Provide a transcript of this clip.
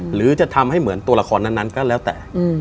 หรือจะทำให้เหมือนตัวละครนั้นก็แล้วแต่